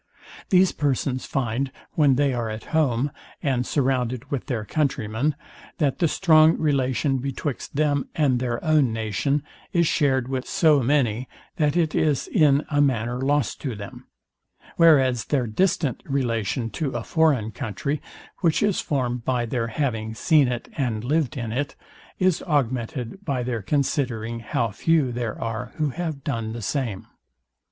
These persons find, when they are at home, and surrounded with their countrymen, that the strong relation betwixt them and their own nation is shared with so many, that it is in a manner lost to them; whereas their distant relation to a foreign country, which is formed by their having seen it and lived in it, is augmented by their considering how few there are who have done the same.